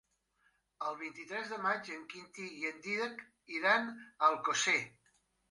El vint-i-tres de maig en Quintí i en Dídac iran a Alcosser.